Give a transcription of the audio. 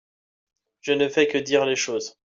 Je ne fais que dire les choses